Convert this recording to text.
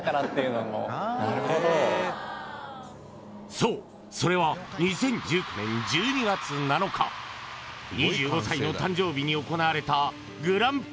そうそれは２０１９年１２月７日２５歳の誕生日に行われたＧＰ